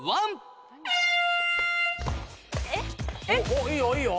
えっ？おっいいよいいよ。